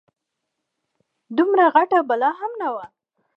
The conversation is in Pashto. دومره غټه بلا هم نه وه.